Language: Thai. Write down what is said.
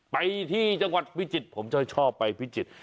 ไปที่จังหวัดพิจิตรผมชอบไปพิจิตร